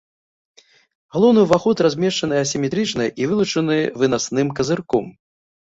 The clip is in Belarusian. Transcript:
Галоўны ўваход размешчаны асіметрычна і вылучаны вынасным казырком.